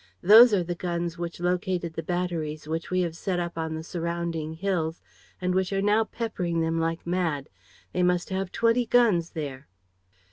Those are the guns which located the batteries which we have set up on the surrounding hills and which are now peppering them like mad. They must have twenty guns there."